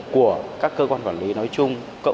của các cơ quan quản lý nói chung